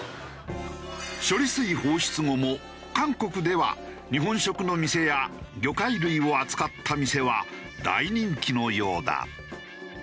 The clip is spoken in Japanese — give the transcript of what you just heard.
処理水放出後も韓国では日本食の店や魚介類を扱った店は大人気のようだ。